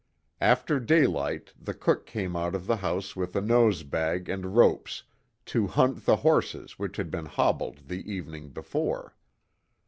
After daylight the cook came out of the house with a nosebag and ropes to hunt the horses which had been hobbled the evening before.